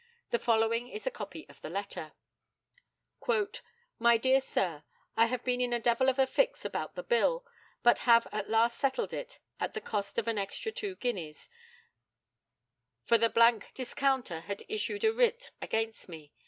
The following is a copy of the letter: "My dear Sir, I have been in a devil of a fix about the bill, but have at last settled it at the cost of an extra two guineas, for the discounter had issued a writ against me.